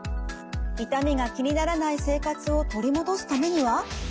痛みが気にならない生活を取り戻すためには？